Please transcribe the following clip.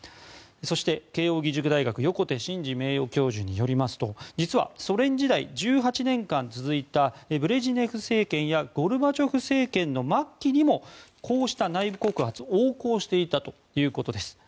そして慶応義塾大学横手慎二名誉教授によりますと実はソ連時代、１８年間続いたブレジネフ政権やゴルバチョフ政権の末期にもこうした内部告発横行していたということです。